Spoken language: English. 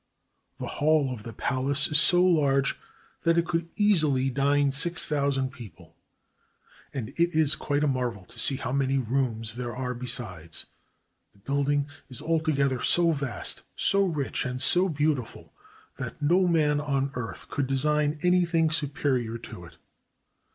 The hall of the palace is so large that it could easily dine six thousand people ; and it is quite a marvel to see how many rooms there are besides. The building is alto gether so vast, so rich, and so beautiful, that no man on earth could design anything superior to it.